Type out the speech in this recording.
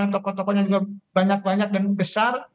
tokoh tokohnya juga banyak banyak dan besar